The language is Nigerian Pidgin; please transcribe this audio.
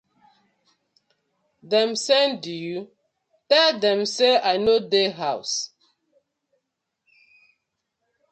Dem send you? tell dem say I no dey house.